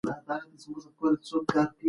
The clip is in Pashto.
هغه خلک چې لهجې کاروي توپير ساتي.